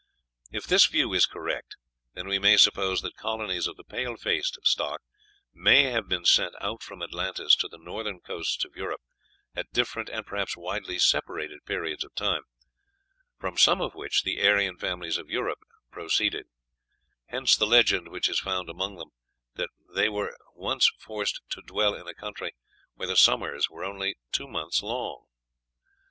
If this view is correct, then we may suppose that colonies of the pale faced stock may have been sent out from Atlantis to the northern coasts of Europe at different and perhaps widely separated periods of time, from some of which the Aryan families of Europe proceeded; hence the legend, which is found among them, that they were once forced to dwell in a country where the summers were only two months long.